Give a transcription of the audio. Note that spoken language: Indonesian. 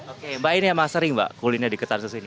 oke mbak ini yang sering mbak kulinnya di ketan susu ini